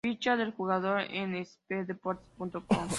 Ficha del jugador en espndeportes.com